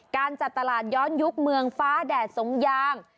การจัดตลาดย้อนยุคเมืองฟ้าแดดสงยาง